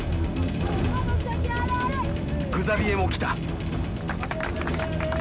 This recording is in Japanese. グザビエも来た。